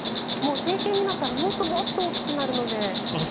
成犬になったらもっともっと大きくなるので。